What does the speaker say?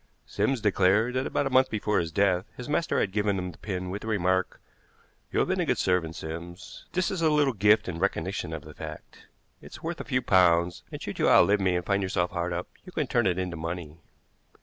Sims declared that about a month before his death his master had given him the pin with the remark: "You've been a good servant, Sims. This is a little gift in recognition of the fact. It's worth a few pounds, and should you outlive me and find yourself hard up, you can turn it into money."